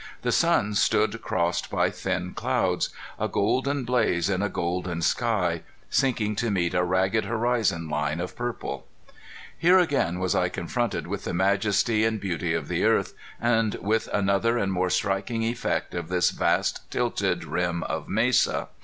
The sun stood crossed by thin clouds a golden blaze in a golden sky sinking to meet a ragged horizon line of purple. [Illustration: ANOTHER BEAR] Here again was I confronted with the majesty and beauty of the earth, and with another and more striking effect of this vast tilted rim of mesa.